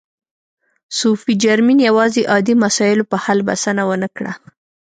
صوفي جرمین یوازې عادي مسایلو په حل بسنه و نه کړه.